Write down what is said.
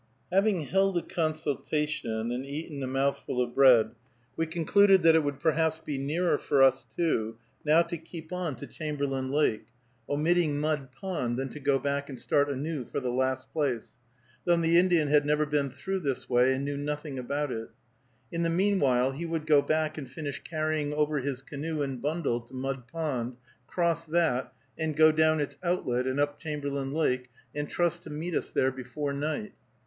Having held a consultation, and eaten a mouthful of bread, we concluded that it would perhaps be nearer for us two now to keep on to Chamberlain Lake, omitting Mud Pond, than to go back and start anew for the last place, though the Indian had never been through this way, and knew nothing about it. In the meanwhile he would go back and finish carrying over his canoe and bundle to Mud Pond, cross that, and go down its outlet and up Chamberlain Lake, and trust to meet us there before night.